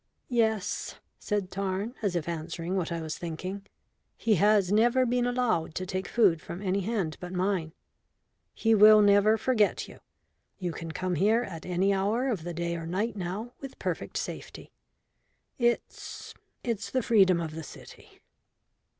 "Yes," said Tarn, as if answering what I was thinking, "he has never been allowed to take food from any hand but mine. He will never forget you. You can come here at any hour of the day or night now with perfect safety. It's it's the freedom of the city."